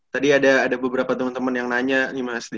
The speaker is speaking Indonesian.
tadi ada beberapa temen temen yang nanya nih mas